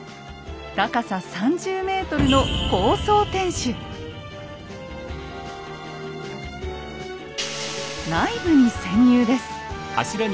高さ３０ｍの内部に潜入です。